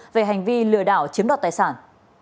về hành vi lừa đảo chiếm đọt tài sản